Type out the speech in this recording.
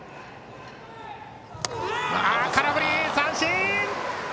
空振り三振！